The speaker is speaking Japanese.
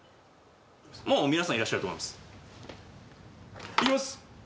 もう皆さんいらっしゃると思いますいきます